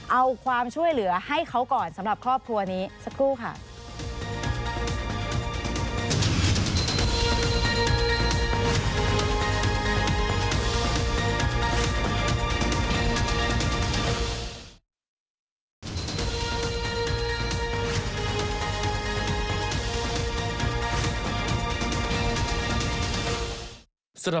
เอาความช่วยเหลือให้เขาก่อนสำหรับครอบครัวนี้สักครู่ค่ะ